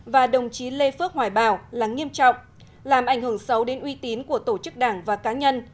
và đồng chí lê phước hoài bảo là nghiêm trọng làm ảnh hưởng xấu đến uy tín của tổ chức đảng và cá nhân